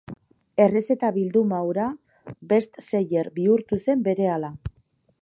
Errezeta bilduma hura best-seller bihurtu zen berehala.